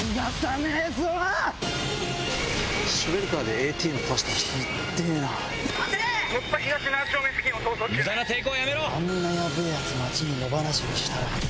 あんなやべぇヤツ街に野放しにしたら。